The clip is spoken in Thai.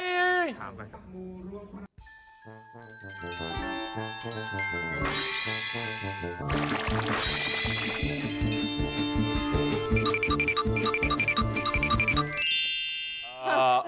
น้องชางลูก